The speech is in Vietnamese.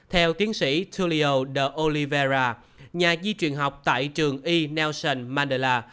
theo tiến sĩ tulio de oliveira nhà di truyền học tại trường e nelson mandela